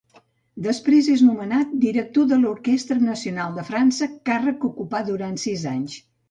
Després és nomenat director de l'Orquestra Nacional de França, càrrec que ocupa durant sis anys.